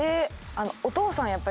お父さん